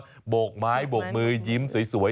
เออเขาต้องบอกไม้บวกมือยิ้มสวย